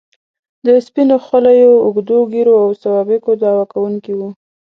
د سپینو خولیو، اوږدو ږیرو او سوابقو دعوه کوونکي وو.